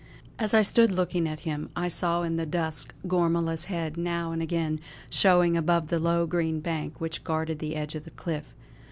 As I stood looking at him, I saw in the dusk Gormala's head now and again showing above the low green bank which guarded the edge of the cliff.